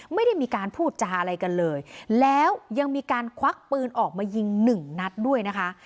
ไม่ได้มีการพูดจาอะไรกันเลยแล้วยังมีการควักปืนออกมายิงหนึ่งนัดด้วยนะคะ